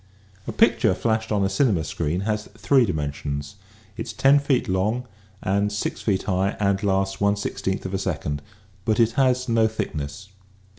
A picture flashed on a cinema screen has three di mensions. It is, say, lo feet long and 6 feet high and lasts 1 16 of a second, but it has no thickness.